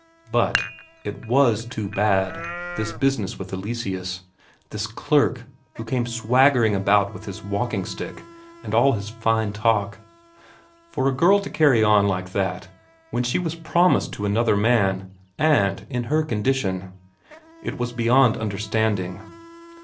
But it was too bad, this business with Eleseus, this clerk, who came swaggering about with his walking stick and all his fine talk. For a girl to carry on like that when she was promised to another man and in her condition! It was beyond understanding.